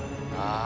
ああ。